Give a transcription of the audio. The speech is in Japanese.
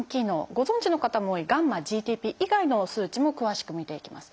ご存じの方も多いγ−ＧＴＰ以外の数値も詳しく診ていきます。